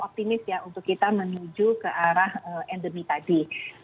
optimis ya untuk kita menuju ke arah endemi tadi